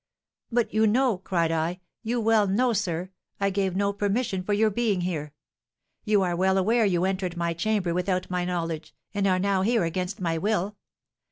'But you know,' cried I, 'you well know, sir, I gave no permission for your being here. You are well aware you entered my chamber without my knowledge, and are now here against my will.'